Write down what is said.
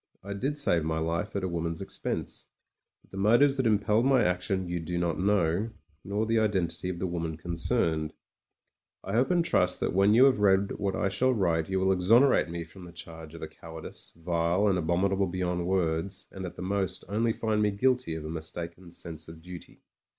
I did save my life at a woman's expense. But the motives that impelled my action you do not know, nor the identity of the woman concerned. I hope 8o MEN, WOMEN AND GUNS and trust that when you have read what I shall write you will exonerate me from the charge of a cowardice, vile and abominable beyond words, and at the most only find me guilty of a mistaken sense of duty.